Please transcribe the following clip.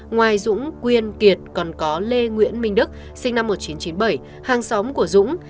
ngoài dũng quyên kiệt còn có lê nguyễn minh đức sinh năm một nghìn chín trăm chín mươi bảy hàng xóm của dũng